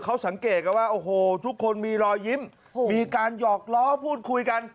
เขาสังเกตกันว่าโอ้โหทุกคนมีรอยยิ้มมีการหยอกล้อพูดคุยกัน